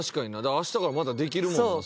明日からまたできるもんなそしたら。